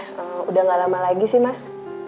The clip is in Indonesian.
iya udah gak lama lagi sih mas